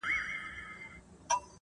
o ځوان ناست دی.